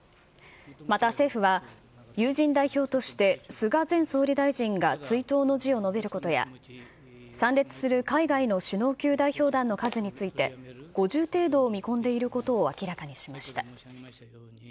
また政府は、友人代表として菅前総理大臣が追悼の辞を述べることや、参列する海外の首脳級代表団の数について、５０程度を見込んでいることを明らかにしました。